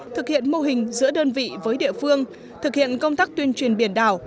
thực hiện mô hình giữa đơn vị với địa phương thực hiện công tác tuyên truyền biển đảo